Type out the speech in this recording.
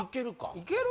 いける？